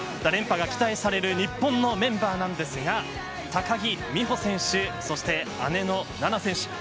連覇が期待される日本のメンバーなんですが高木美帆選手そして姉の菜那選手